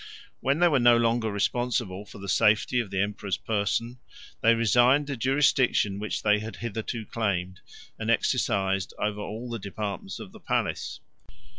When they were no longer responsible for the safety of the emperor's person, they resigned the jurisdiction which they had hitherto claimed and exercised over all the departments of the palace.